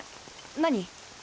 何？